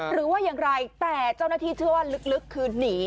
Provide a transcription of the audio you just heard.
หรือว่าอย่างไรแต่เจ้าหน้าที่เชื่อว่าลึกคือหนี